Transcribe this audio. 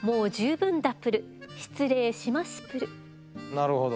なるほど。